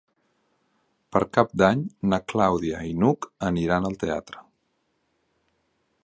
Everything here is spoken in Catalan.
Per Cap d'Any na Clàudia i n'Hug aniran al teatre.